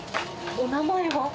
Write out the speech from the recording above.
お名前は？